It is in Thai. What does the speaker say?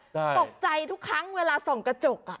ตกใจทุกครั้งเวลาส่องกระจก